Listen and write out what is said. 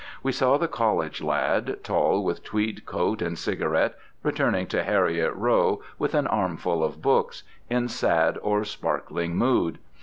We saw the college lad, tall, with tweed coat and cigarette, returning to Heriot Row with an armful of books, in sad or sparkling mood.